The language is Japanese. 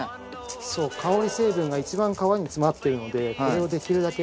そう香り成分がいちばん皮に詰まってるのでそれをできるだけ。